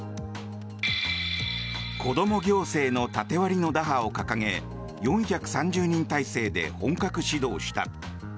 子ども行政の縦割りの打破を掲げ４３０人体制で本格始動した。